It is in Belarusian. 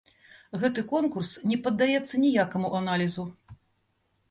Гэты конкурс не паддаецца ніякаму аналізу.